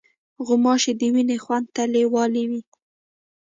غوماشې د وینې خوند ته لیوالې وي.